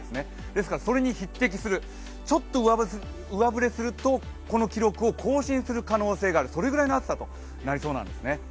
ですからそれに匹敵する、ちょっと上振れするとこの記録を更新する可能性がある、そのぐらいの暑さとなりそうなんですね。